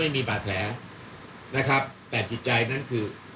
ไม่มีบาดแผลนะครับแต่จิตใจนั้นคือ